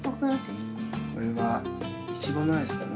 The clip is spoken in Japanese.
これはいちごのアイスかな？